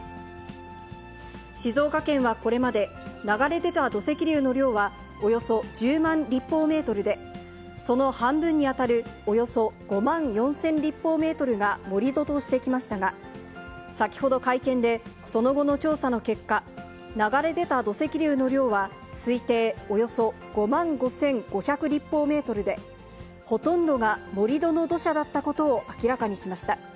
静岡県はこれまで、流れ出た土石流の量はおよそ１０万立方メートルで、その半分に当たるおよそ５万４０００立方メートルが盛り土としてきましたが、先ほど会見で、その後の調査の結果、流れ出た土石流の量は、推定およそ５万５５００立方メートルで、ほとんどが盛り土の土砂だったことを明らかにしました。